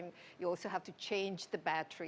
anda juga harus mengubah baterai